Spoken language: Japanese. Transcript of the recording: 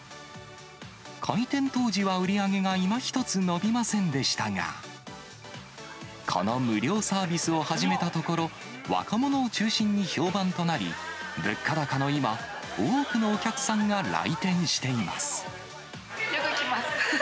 開店当時は売り上げがいまひとつ伸びませんでしたが、この無料サービスを始めたところ、若者を中心に評判となり、物価高の今、よく来ます。